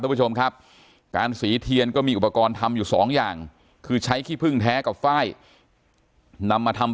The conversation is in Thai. ผู้ชมครับการสีเทียนก็มีอุปกรณ์ทำอยู่สองอย่างคือใช้ขี้พึ่งแท้กับฝ้ายนำมาทำ